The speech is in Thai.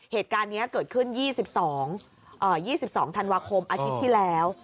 เหตุการณ์นี้เกิดขึ้น๒๒ธันวาคมอาทิตย์ที่แล้ว